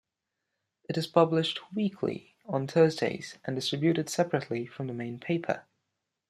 It is published weekly, on Thursdays, and distributed separately from the main paper.